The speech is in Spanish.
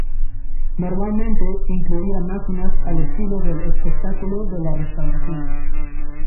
Normalmente incluía máquinas al estilo del espectáculo de la Restauración.